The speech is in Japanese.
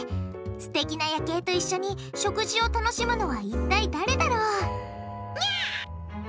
すてきな夜景と一緒に食事を楽しむのはいったい誰だろう？